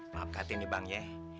maafkan aku nih bang ya